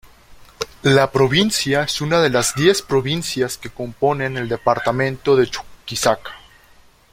La provincia es una de las diez provincias que componen el departamento de Chuquisaca.